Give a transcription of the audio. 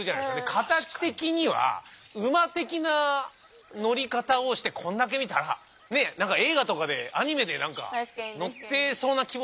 形的には馬的な乗り方をしてこれだけ見たらねえ何か映画とかでアニメで何か乗ってそうな気もするし。